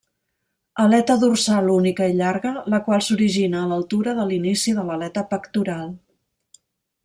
Aleta dorsal única i llarga, la qual s'origina a l'altura de l'inici de l'aleta pectoral.